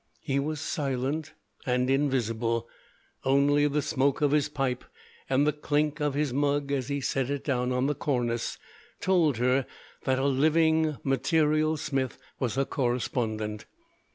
He was silent and invisible. Only the smoke of his pipe, and the clink of his mug as he set it down on the cornice, told her that a living, material Smith was her correspondent.